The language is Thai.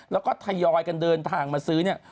แล้วก็ทยอยกันเดินทางมาซื้อเนี่ย